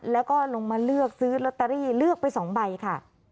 แล้วก็ลงมาเลือกซื้อลอตเตอรี่เลือกไป๒ใบค่ะ